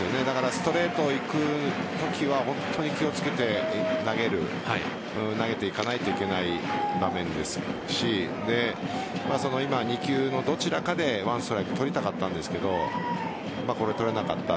ストレートいくときは本当に気を付けて投げていかないといけない場面ですし今、２球のどちらかで１ストライク取りたかったんですが取れなかった。